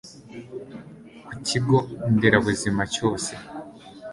ku kigo nderabuzima cyose